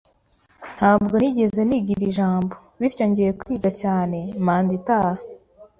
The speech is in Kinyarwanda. Ntabwo nigeze niga iri jambo, bityo ngiye kwiga cyane manda itaha.